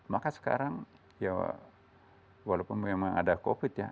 maka sekarang ya walaupun memang ada covid ya